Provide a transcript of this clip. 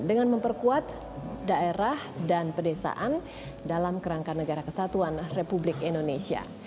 dengan memperkuat daerah dan pedesaan dalam kerangka negara kesatuan republik indonesia